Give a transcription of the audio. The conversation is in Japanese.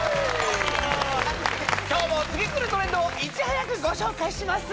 今日も次くるトレンドをいち早くご紹介します